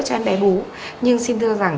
cho em bé bú nhưng xin thưa rằng